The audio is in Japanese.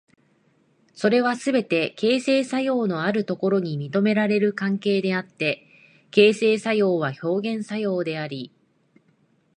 それはすべて形成作用のあるところに認められる関係であって、形成作用は表現作用であり、